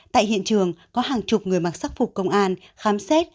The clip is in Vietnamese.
tại hiện trường có hàng chục người mặc sắc phục công an khám xét